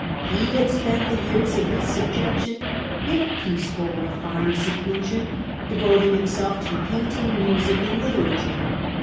He had spent the years of his subjection in a peaceful, refined seclusion, devoting himself to painting, music, and literature.